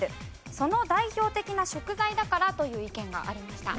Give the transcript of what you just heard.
その代表的な食材だからという意見がありました。